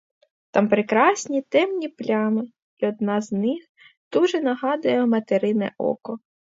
Там прекрасні темні плями, і одна з них дуже нагадує материне око.